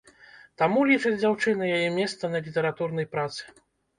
Таму, лічыць дзяўчына, яе месца на літаратурнай працы.